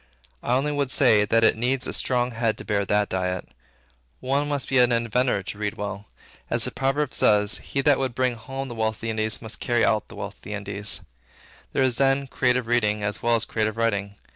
I only would say, that it needs a strong head to bear that diet. One must be an inventor to read well. As the proverb says, "He that would bring home the wealth of the Indies, must carry out the wealth of the Indies." There is then creative reading as well as creative writing.